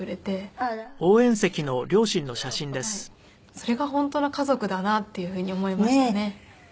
それが本当の家族だなっていうふうに思いましたね。